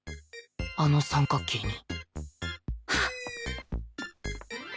あの三角形に